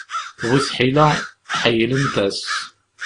Bu tḥila, ḥeyylent-as.